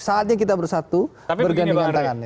saatnya kita bersatu bergandingan tangannya